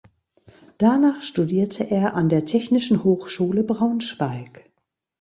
Danach studierte er an der Technischen Hochschule Braunschweig.